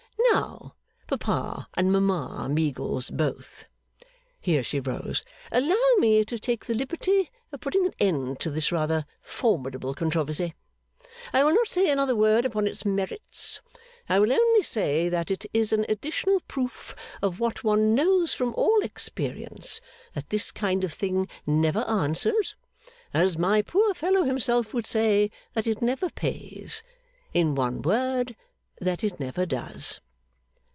Now Papa and Mama Meagles both!' here she rose; 'allow me to take the liberty of putting an end to this rather formidable controversy. I will not say another word upon its merits. I will only say that it is an additional proof of what one knows from all experience; that this kind of thing never answers as my poor fellow himself would say, that it never pays in one word, that it never does.